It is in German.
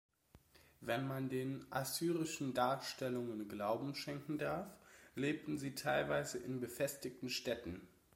Wenn man den assyrischen Darstellungen glauben schenken darf, lebten sie teilweise in befestigten Städten.